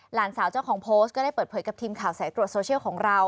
หลานสาวเจ้าของโพสต์ก็ได้เปิดเผยกับทีมข่าวสายตรวจโซเชียลของเรา